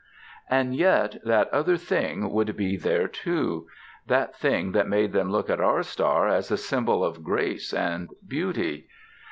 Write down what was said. And yet, that other thing would be there too ... that thing that made them look at our star as a symbol of grace and beauty.